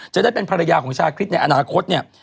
จะได้เป็นภรรยาของชาคริสในอนาคตเนี่ย